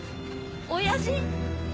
「親父」？